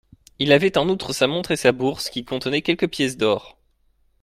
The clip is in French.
Il avait en outre sa montre et sa bourse, qui contenait quelques pièces d'or.